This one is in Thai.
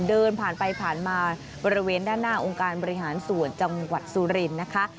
เดินผ่านไปผ่านมาบริเวณด้านหน้าองค์การบริหารส่วนจังหวัดสุรินทร์นะคะ